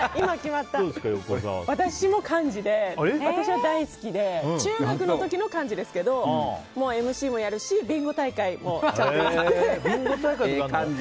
私も幹事で私は大好きで中学の時の幹事ですけどＭＣもやるしビンゴ大会もちゃんとやって。